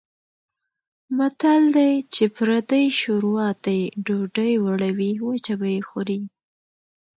متل دی: چې پردۍ شوروا ته یې ډوډۍ وړوې وچه به یې خورې.